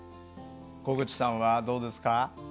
小口さんはどうですか？